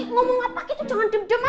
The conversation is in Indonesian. ngomong apa gitu jangan dem dem aja nih